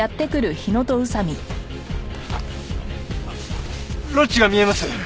あっロッジが見えます。